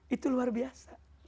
itu luar biasa